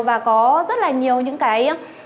và có rất là nhiều những cái